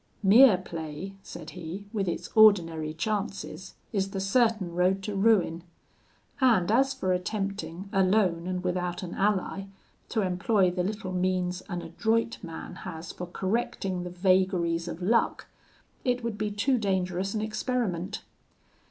'Mere play,' said he, 'with its ordinary chances, is the certain road to ruin; and as for attempting, alone and without an ally, to employ the little means an adroit man has for correcting the vagaries of luck, it would be too dangerous an experiment.'